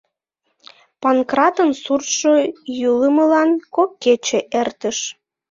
Панкратын суртшо йӱлымылан кок кече эртыш.